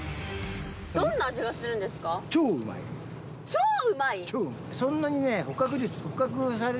超うまい？